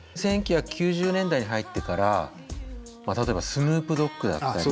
１９９０年代に入ってから例えばスヌープ・ドッグだったり。